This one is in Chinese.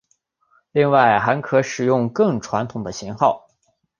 另外还可使用更传统的型号。